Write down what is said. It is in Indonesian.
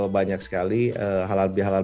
banyak sekali halal bihalal